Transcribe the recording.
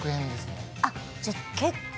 あっじゃあ結構。